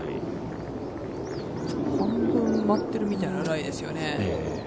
半分埋まってるみたいなライですよね。